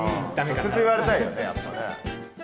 直接言われたいよねやっぱね。